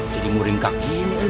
jadi muring kaki ini eh